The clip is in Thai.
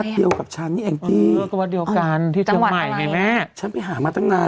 อ๋อถาเงินล้าน